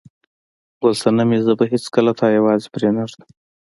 ګل صنمې، زه به هیڅکله تا یوازې پرېنږدم.